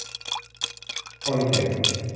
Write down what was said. ควอลลีเทค